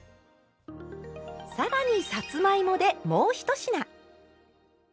更にさつまいもでもう１品！